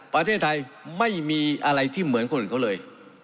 ประเทศไทยไม่มีอะไรที่เหมือนคนอื่นเขาเลย